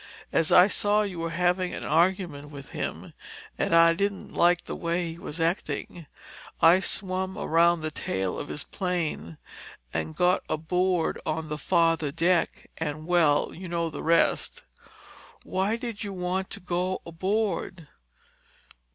As I saw you were having an argument with him, and I didn't like the way he was acting, I swam around the tail of his plane and got aboard on the farther deck—and—well, you know the rest. Why did you want to go aboard?"